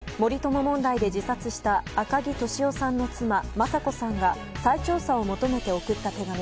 森友問題で自殺した赤木俊夫さんの妻・雅子さんが再調査を求めて送った手紙。